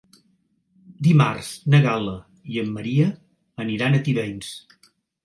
Dimarts na Gal·la i en Maria aniran a Tivenys.